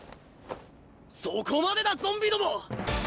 そこまでだゾンビども！